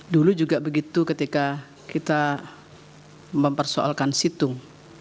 dulu juga begitu ketika kita mempersoalkan situng